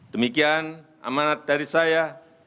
demikian amanat dari saya